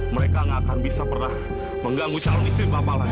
mereka nggak akan bisa pernah mengganggu calon istri bapak lagi